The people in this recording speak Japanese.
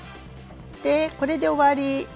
でこれで終わり。